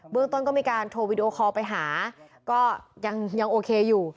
เรื่องต้นก็มีการโทรวีดีโอคอลไปหาก็ยังโอเคอยู่